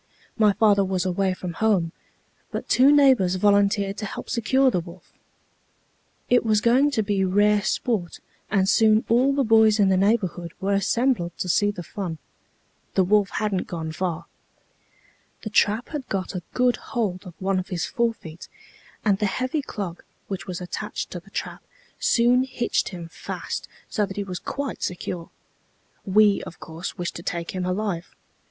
My father was away from home, but two neighbors volunteered to help secure the wolf. It was going to be rare sport, and soon all the boys in the neighborhood were assembled to see the fun. The wolf hadn't gone far. The trap had got a good hold of one of his forefeet, and the heavy clog, which was attached to the trap, soon hitched him fast, so that he was quite secure. We, of course, wished to take him alive.